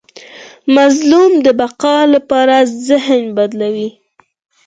مظلوم د بقا لپاره ذهن بدلوي.